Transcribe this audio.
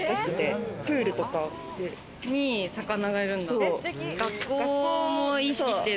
プールとかに魚がいるんだって。